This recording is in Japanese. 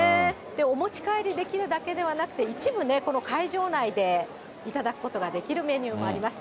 お持ち帰りできるだけではなくて、一部ね、この会場内で頂くことができるメニューがあります。